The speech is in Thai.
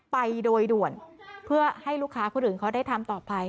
ไปโดยด่วนเพื่อให้ลูกค้าคนอื่นเขาได้ทำต่อไป